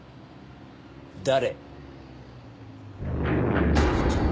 誰？